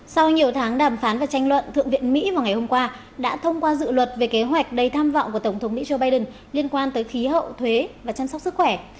sau nhiều tháng đàm phán và tranh luận thượng viện mỹ vào ngày hôm qua đã thông qua dự luật về kế hoạch đầy tham vọng của tổng thống mỹ joe biden liên quan tới khí hậu thuế và chăm sóc sức khỏe